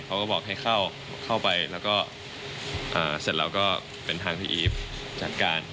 เขาก็บอกให้เข้าไปแล้วก็เสร็จแล้วก็เป็นทางพี่อีฟจัดการ